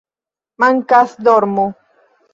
"Mankas dormo"